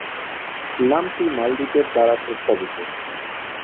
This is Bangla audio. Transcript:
নামটি মালদ্বীপের দ্বারা প্রস্তাবিত।